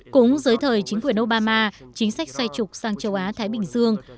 cũng dưới thời chính quyền obama chính sách xoay trục sang châu á thái bình dương